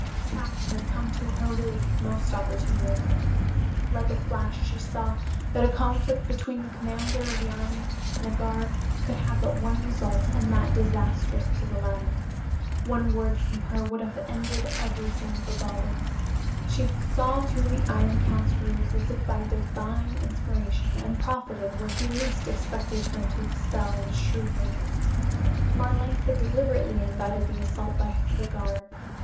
Tact had come to her relief most opportunely. Like a flash she saw that a conflict between the commander of the army and a guard could have but one result and that disastrous to the latter. One word from her would have ended everything for Baldos. She saw through the Iron Count's ruse as if by divine inspiration and profited where he least expected her to excel in shrewdness. Marlanx had deliberately invited the assault by the guard.